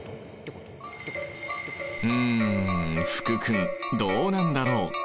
うん福君どうなんだろう？